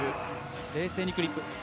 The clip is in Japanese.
冷静にクリップ。